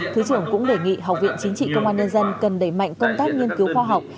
thứ trưởng cũng đề nghị học viện chính trị công an nhân dân cần đẩy mạnh công tác nghiên cứu khoa học